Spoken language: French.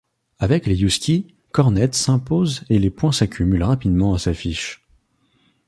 Avec les Huskies, Cornet s’impose et les points s’accumulent rapidement à sa fiche.